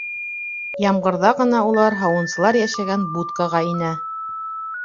Ямғырҙа ғына улар һауынсылар йәшәгән будкаға инә.